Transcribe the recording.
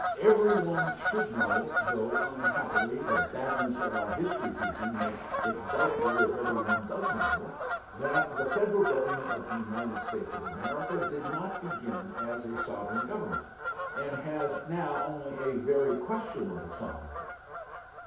Every one should know, though unhappily the badness of our history teaching makes it doubtful if every one does know, that the Federal Government of the United States of America did not begin as a sovereign Government, and has now only a very questionable sovereignty.